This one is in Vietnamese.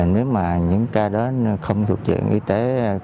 nếu những ca đó không thuộc dịch y tế